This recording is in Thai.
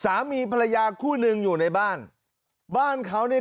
สามีภรรยาคู่หนึ่งอยู่ในบ้านบ้านเขาเนี่ย